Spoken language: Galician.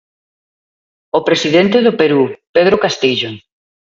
O presidente do Perú, Pedro Castillo.